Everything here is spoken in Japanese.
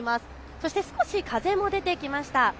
そして少し風も出てきました。